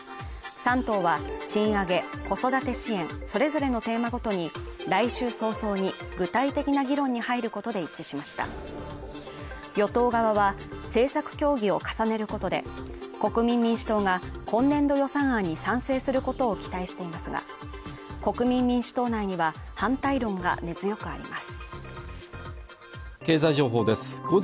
３党は賃上げ、子育て支援、それぞれのテーマごとに来週早々に具体的な議論に入ることで一致しました与党側は政策協議を重ねることで国民民主党が今年度予算案に賛成することを期待していますが国民民主党内には反対論が根強くあります